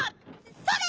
それ！